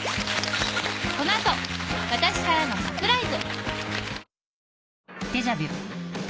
この後私からのサプライズ！